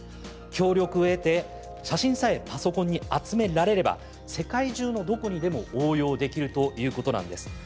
協力を得て写真さえパソコンに集められれば世界中のどこにでも応用できるということなんです。